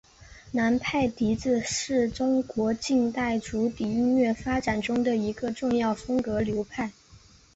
南派笛子是中国近代竹笛音乐发展中的一个重要风格流派。